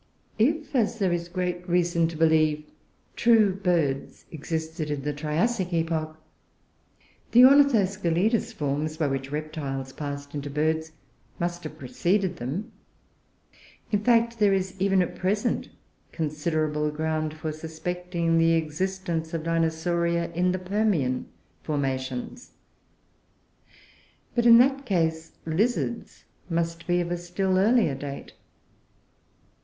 If, as there is great reason to believe, true Birds existed in the Triassic epoch, the ornithoscelidous forms by which Reptiles passed into Birds must have preceded them. In fact there is, even at present, considerable ground for suspecting the existence of Dinosauria in the Permian formations; but, in that case, lizards must be of still earlier date.